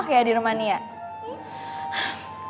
padahal ya udah ngomong ngomong kesana kesini